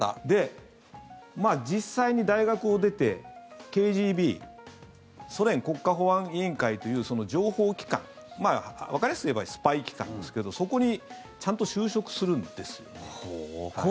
で、実際に大学を出てＫＧＢ・ソ連国家保安委員会という情報機関わかりやすく言えばスパイ機関ですけどそこにちゃんと就職するんです。